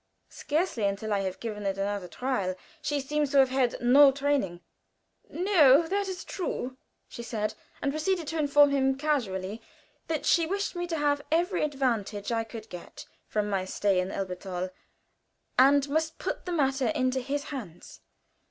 "Scarcely, until I have given it another trial. She seems to have had no training." "No, that is true," she said, and proceeded to inform him casually that she wished me to have every advantage I could get from my stay in Elberthal, and must put the matter into his hands.